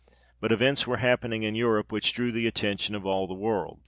But events were happening in Europe, which drew the attention of all the world.